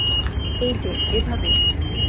এই যে, এভাবে।